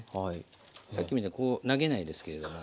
さっきみたいにこう投げないですけれども。